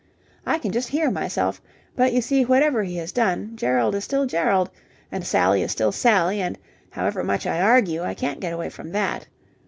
I can just hear myself. But, you see, whatever he has done, Gerald is still Gerald and Sally is still Sally and, however much I argue, I can't get away from that.